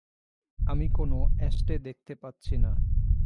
আমি কোনো অ্যাশটে দেখতে পাচ্ছি না।